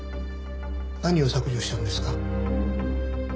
何を削除したんですか？